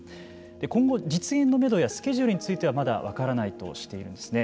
今後実現のめどやスケジュールについてはまだ分からないとしているんですね。